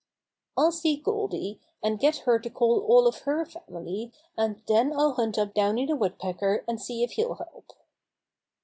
"I'll see Goldy, and get her to call all of her family, and then I'll hunt up Downy the Woodpecker and see if he'll help."